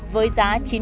với giá chín mươi đồng